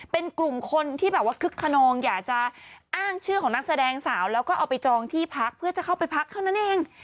เป็นกลุ่มคนที่แบบว่าคึกขนองอยากจะอ้างชื่อของนักแสดงสาวแล้วก็เอาไปจองที่พักเพื่อจะเข้าไปพักเท่านั้นเอง